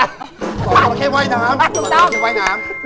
สอนมาใกล้ว่ายน้ำ